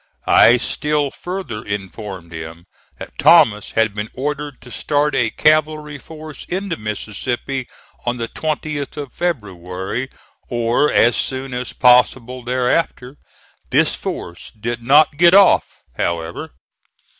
I still further informed him that Thomas had been ordered to start a cavalry force into Mississippi on the 20th of February, or as soon as possible thereafter. This force did not get off however.